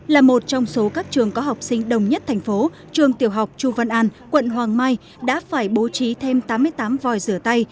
là một trong số các trường có học sinh đồng nhất thành phố trường tiểu học chu văn an quận hoàng mai đã phải bố trí thêm tám mươi tám vòi rửa